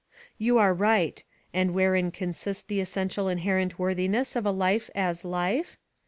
"You are right. And wherein consists the essential inherent worthiness of a life as life?